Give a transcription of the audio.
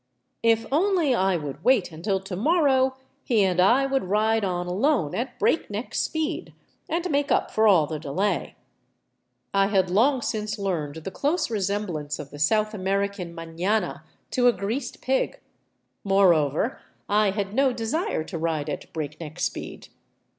If only I would wait until to morrow, he and I would ride on alone at breakneck speed, and make up for all the delay. I had long since learned the close resem blance of the South American manana to a greased pig; moreover, I had no desire to ride at breakneck speed.